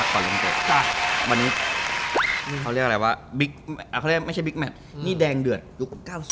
ก็คือพี่จ๊ะกี้และพี่จ้อมบ้าภูส